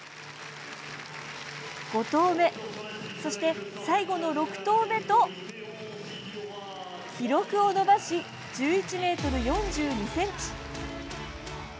５投目、そして最後の６投目と記録を伸ばし、１１ｍ４２ｃｍ。